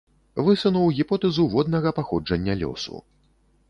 Высунуў гіпотэзу воднага паходжання лёсу.